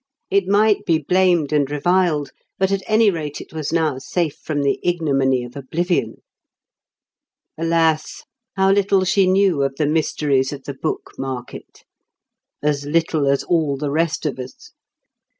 It might be blamed and reviled, but at any rate it was now safe from the ignominy of oblivion. Alas, how little she knew of the mysteries of the book market! As little as all the rest of us.